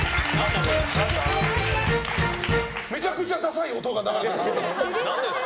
めちゃくちゃダサい音が流れたな！